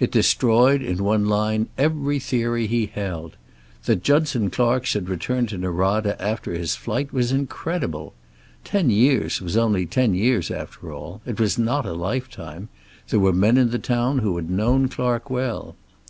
It destroyed, in one line, every theory he held. That Judson Clark should return to Norada after his flight was incredible. Ten years was only ten years after all. It was not a lifetime. There were men in the town who had known Clark well.